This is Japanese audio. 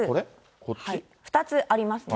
２つありますね。